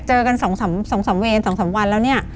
เจอกันสองสามเวรสองสามวันแล้วเนี่ย